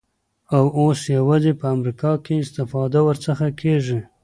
او اوس یوازی په امریکا کي استفاده ورڅخه کیږی